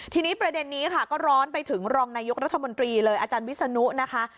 ทีนี้ประเด็นนี้ค่ะก็ร้อนไปถึงรองนายกรัฐมนตรีเลยอาจารย์วิศนุนะคะ